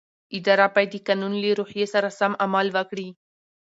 اداره باید د قانون له روحیې سره سم عمل وکړي.